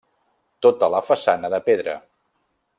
Tota la façana de pedra.